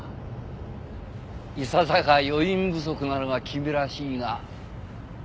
いささか余韻不足なのが君らしいが。